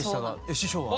師匠は？